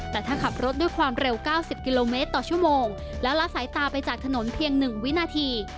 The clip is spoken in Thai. แต่ถ้าขับรถด้วยความเร็ว๙๐กิโลเมตรต่อชั่วโมงแล้วละสายตาไปจากถนนเพียง๑วินาที